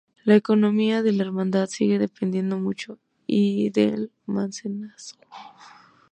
La economía de la Hermandad sigue dependiendo y mucho del mecenazgo.